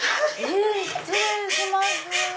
失礼します。